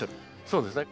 そうですね。